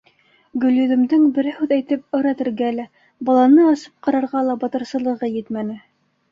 Гөлйөҙөмдөң берәй һүҙ әйтеп әүрәтергә лә, баланы асып ҡарарға ла батырсылығы етмәне.